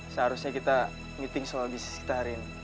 seharusnya kita meeting soal bisnis kita hari ini